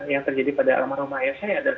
yang terjadi pada alam rumah ayah saya adalah